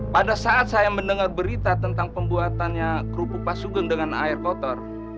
pada saat saya mendengar berita tentang pembuatannya kerupuk pasugeng dengan air kotor